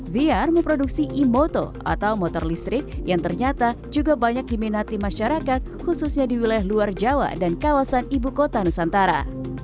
vr memproduksi e moto atau motor listrik yang ternyata juga banyak diminati masyarakat khususnya di wilayah luar jawa dan kawasan ibu kota nusantara